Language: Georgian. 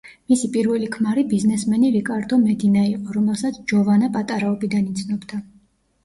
მისი პირველი ქმარი ბიზნესმენი რიკარდო მედინა იყო, რომელსა ჯოვანა პატარაობიდან იცნობდა.